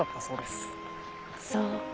そう。